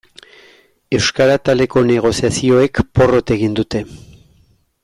Euskara ataleko negoziazioek porrot egin dute.